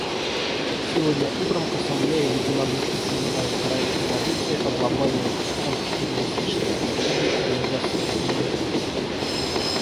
Сегодня утром Ассамблея единодушно приняла проект резолюции о Глобальной контртеррористической стратегии Организации Объединенных Наций.